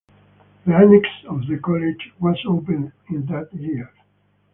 The annexe of the college was opened in that year.